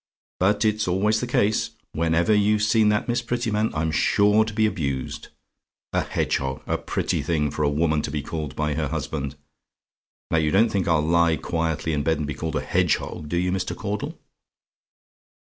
But it's always the case! Whenever you've seen that Miss Prettyman, I'm sure to be abused. A hedgehog! A pretty thing for a woman to be called by her husband! Now you don't think I'll lie quietly in bed, and be called a hedgehog do you, Mr. Caudle?